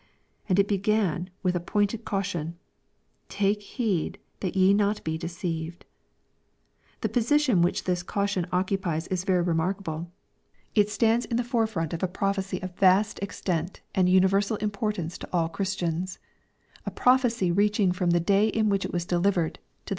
And it began with a pointed caution, "Take heed that ye be not deceived." The position which this caution occupies is very remark able. It stands in the forefront of a prophecy of vast extent and universal importance to all Christians, — a prophecy reacliing from the day in which it was delivered, to the 358 EXPOSITORY THOUGHTS.